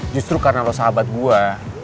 justru karena sahabat gue